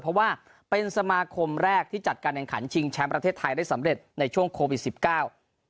เพราะว่าเป็นสมาคมแรกที่จัดการแข่งขันชิงแชมป์ประเทศไทยได้สำเร็จในช่วงโควิดสิบเก้า